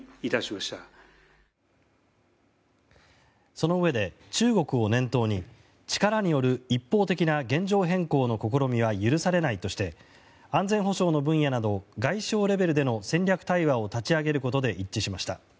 そのうえで、中国を念頭に力による一方的な現状変更の試みは許されないとして安全保障の分野など外相レベルでの戦略対話を立ち上げることで一致しました。